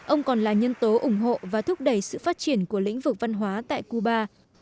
ông còn là nhân tố ủng hộ và thúc đẩy sự phát triển của lĩnh vực văn hóa tại cuba